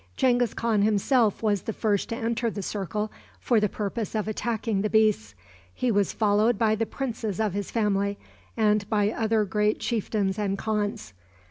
Genghis Khan himself was the first to enter the circle for the purpose of attacking the beasts. He was followed by the princes of his family, and by other great chieftains and khans.